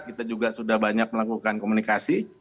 kita juga sudah banyak melakukan komunikasi